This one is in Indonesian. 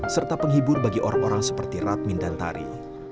serta penghibur bagi orang orang seperti radmin dan tari